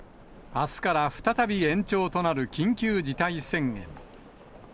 あすから再び延長となる緊急事態宣言。